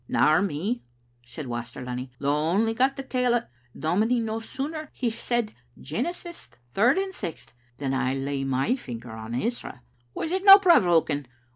"Nor me," said Waster Lunny, "though I only got the tail o't. Dominie, no sooner had he said Genesis third and sixth, than I laid my finger on Ezra. Was it no provoking?